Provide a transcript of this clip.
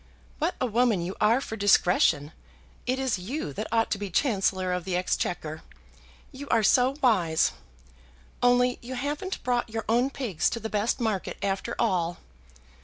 "What a woman you are for discretion! it is you that ought to be Chancellor of the Exchequer; you are so wise. Only you haven't brought your own pigs to the best market, after all."